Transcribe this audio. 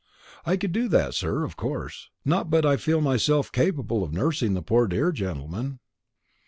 "I could do that, sir, of course, not but what I feel myself capable of nursing the poor dear gentleman."